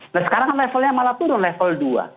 nah sekarang kan levelnya malah turun level dua